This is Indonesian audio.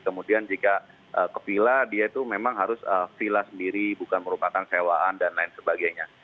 kemudian jika ke villa dia itu memang harus villa sendiri bukan merupakan sewaan dan lain sebagainya